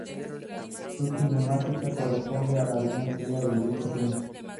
Su cinemática corresponde a la de una estrella del disco fino.